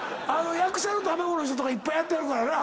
役者の卵の人とかいっぱいやってはるからな。